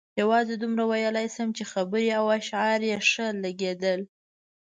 یوازې دومره ویلای شم چې خبرې او اشعار یې ښه لګېدل.